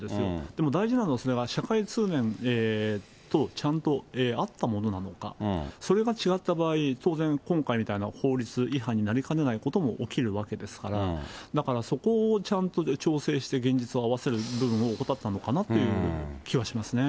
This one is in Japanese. でも大事なのはそれが社会通念とちゃんと合ったものなのか、それが違った場合、当然、今回みたいな法律違反になりかねないことも起きるわけですから、だからそこをちゃんと調整して、現実を合わせる部分を怠ったのかなという気はしますね。